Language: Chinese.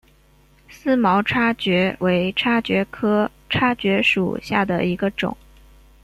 思茅叉蕨为叉蕨科叉蕨属下的一个种。